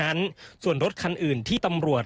อันนี้คือเต็มร้อยเปอร์เซ็นต์แล้วนะครับ